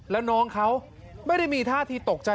แล้วน้องเขาไม่ได้มีท่าทีตกใจ